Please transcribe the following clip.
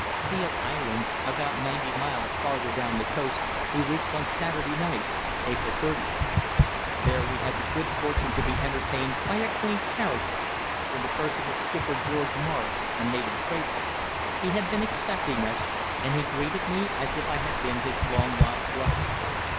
Seal Islands, about ninety miles farther down the coast, we reached on Saturday night, April 30th. There we had the good fortune to be entertained by a quaint character in the person of Skipper George Morris, a native trader. He had been expecting us, and he greeted me as if I had been his long lost brother.